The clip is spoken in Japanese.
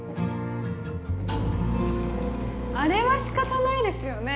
あれは仕方ないですよね